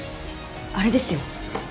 あれですよ。